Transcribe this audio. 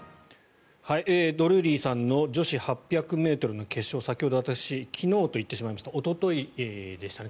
ドルーリーさんの女子８００ｍの決勝先ほど私昨日と言ってしまいましたがおとといでしたね。